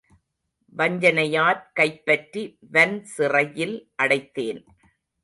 வஞ்சனையாற் கைப்பற்றி வன்சிறையில் அடைத்தேன்.